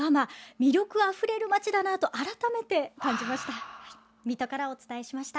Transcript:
魅力あふれる街だなと改めて感じました。